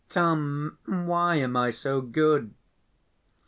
Come, why am I so good?"